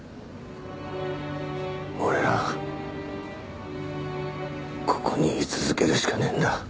俺らはここに居続けるしかねえんだ。